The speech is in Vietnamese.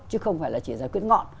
chứ không phải là chỉ giải quyết ngọn